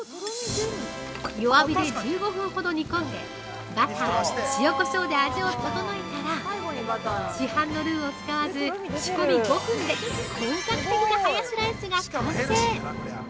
弱火で１５分ほど煮込んでバター、塩、こしょうで味を調えたら市販のルーを使わず仕込み５分で本格的なハヤシライスが完成。